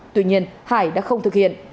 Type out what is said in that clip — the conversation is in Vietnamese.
tuy nhiên hải đã không thực hiện